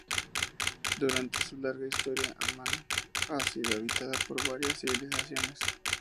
Durante su larga historia, Amán ha sido habitada por varias civilizaciones.